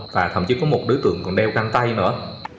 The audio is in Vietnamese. và thậm chí có một đối tượng còn đeo găng tay nữa